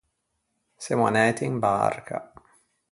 Semmo anæti in barca.